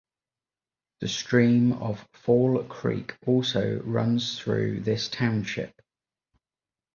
The stream of Fall Creek also runs through this township.